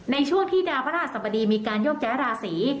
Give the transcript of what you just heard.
ในช่วงที่ดรสมดีมีการโยขแย้ราศี